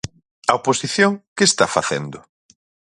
A oposición ¿que está facendo?